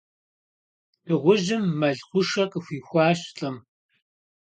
Дыгъужьым мэл хъушэ къыхуихуащ лӏым.